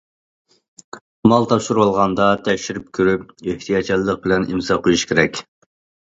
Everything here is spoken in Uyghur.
مال تاپشۇرۇۋالغاندا، تەكشۈرۈپ كۆرۈپ، ئېھتىياتچانلىق بىلەن ئىمزا قويۇش كېرەك.